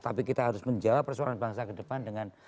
tapi kita harus menjawab persoalan bangsa ke depan dengan